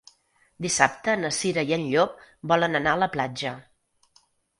Dissabte na Cira i en Llop volen anar a la platja.